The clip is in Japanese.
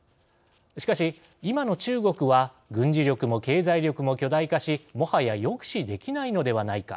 しかし今の中国は軍事力も経済力も巨大化しもはや抑止できないのではないか。